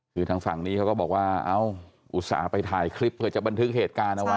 คือทางฝั่งนี้เขาก็บอกว่าเอ้าอุตส่าห์ไปถ่ายคลิปเผื่อจะบันทึกเหตุการณ์เอาไว้